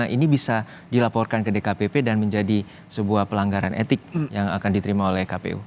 ini bisa dilaporkan ke dkpp dan menjadi sebuah pelanggaran etik yang akan diterima oleh kpu